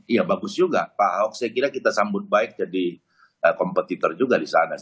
iya bagus juga pak ahok saya kira kita sambut baik jadi kompetitor juga di sana